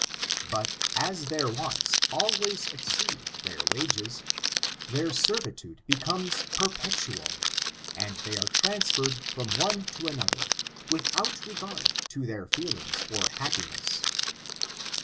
But, as their wants always exceed their wages, their servitude be comes perpetual, and they are transferred from one to another, without regard to their feelings or happi ness.